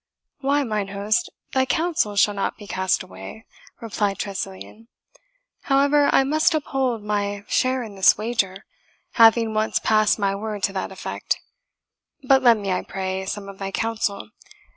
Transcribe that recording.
"Why, mine host, thy counsel shall not be cast away," replied Tressilian; "however, I must uphold my share in this wager, having once passed my word to that effect. But lend me, I pray, some of thy counsel.